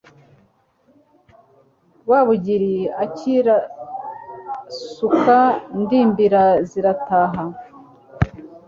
Rwabugiri akirasuka Ndimbira zirataha